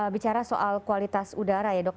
bicara soal kualitas udara ya dok